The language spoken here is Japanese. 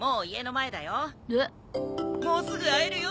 もうすぐ会えるよ